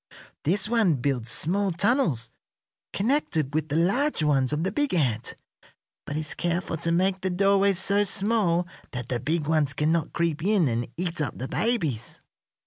This one builds small tunnels connected with the large ones of the big ant, but is careful to make the doorways so small that the big ones cannot creep in and eat up the babies.